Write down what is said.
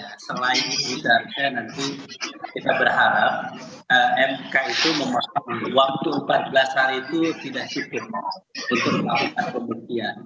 misalnya nanti kita berharap mk itu memahami waktu empat belas hari itu tidak hukum untuk melakukan pembuktian